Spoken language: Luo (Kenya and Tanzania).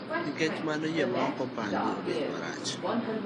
Nikech mano iye ma ok opangi obet mang'eny.